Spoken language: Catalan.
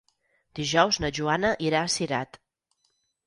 Dijous na Joana irà a Cirat.